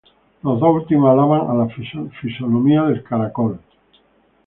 Los dos últimos alaban la fisonomía del caracol.